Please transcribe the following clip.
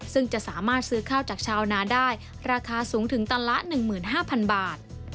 ซึ่งจะสามารถซื้อข้าวจากชาวนาได้ราคาสูงถึงตันละ๑๕๐๐๐บาท